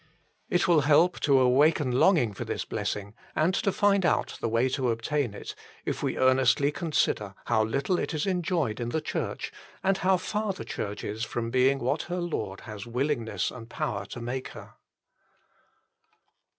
It will help to awaken longing for this blessing, HOW LITTLE IT IS ENJOYED 51 and to find out the way to obtain it, if we earnestly consider how little it is enjoyed in the Church and how far the Church is from being what her Lord has willingness and power to make her.